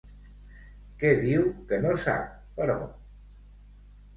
Què diu que no sap, però?